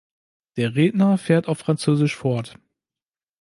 Der Redner fährt auf Französisch fort.